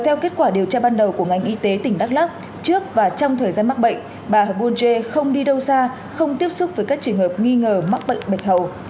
theo kết quả điều tra ban đầu của ngành y tế tỉnh đắk lắc trước và trong thời gian mắc bệnh bà buôn dê không đi đâu xa không tiếp xúc với các trường hợp nghi ngờ mắc bệnh bạch hầu